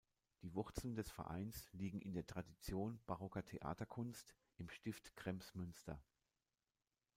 Die Wurzeln des Vereins liegen in der Tradition barocker Theaterkunst im Stift Kremsmünster.